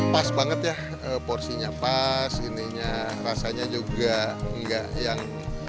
pas banget ya porsinya pas ini rasanya juga enggak yang